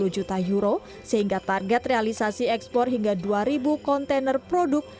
dua puluh juta euro sehingga target realisasi ekspor hingga dua ribu kontainer produk